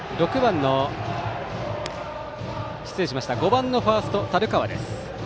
５番のファースト、樽川です。